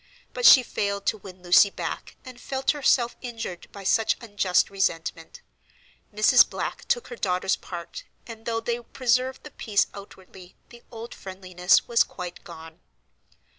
But she failed to win Lucy back and felt herself injured by such unjust resentment. Mrs. Black took her daughter's part, and though they preserved the peace outwardly the old friendliness was quite gone.